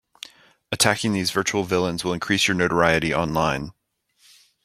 Attacking these virtual villains will increase your notoriety online.